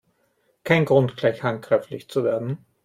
Kein Grund, gleich handgreiflich zu werden!